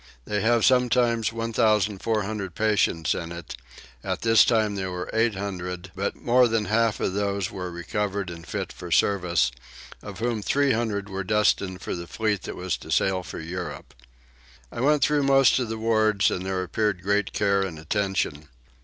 They have sometimes 1400 patients in it: at this time there were 800, but more than half of these were recovered and fit for service, of whom 300 were destined for the fleet that was to sail for Europe. I went through most of the wards and there appeared great care and attention.